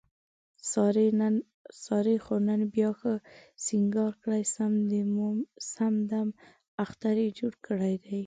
سارې خو نن بیا ښه سینګار کړی، سم دمم اختر یې جوړ کړی دی.